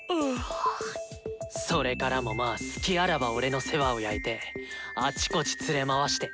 それからもまぁスキあらば俺の世話を焼いてあちこち連れ回して。